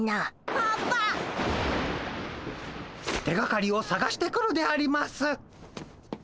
手がかりをさがしてくるであります。